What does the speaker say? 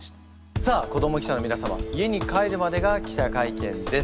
さあ子ども記者の皆様家に帰るまでが記者会見です。